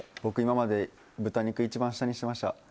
僕今まで豚肉一番下にしてました。